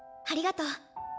ありがとう。